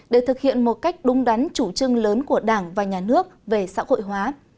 để thực hiện một cách đúng đắn chủ trưng lớn của đảng và nhà nước về xã hội hóa